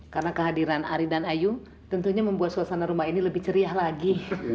karena kehadiran ari dan ayu tentunya membuat suasana rumah ini lebih ceria lagi